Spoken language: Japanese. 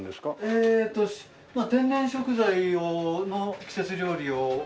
えっと天然食材の季節料理を。